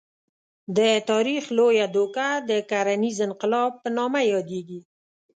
د تاریخ لویه دوکه د کرنیز انقلاب په نامه یادېږي.